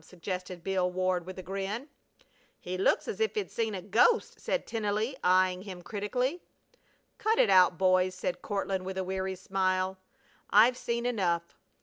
suggested Bill Ward, with a grin. "He looks as if he'd seen a ghost!" said Tennelly, eying him critically. "Cut it out, boys," said Courtland, with a weary smile. "I've seen enough.